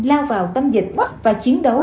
lao vào tâm dịch và chiến đấu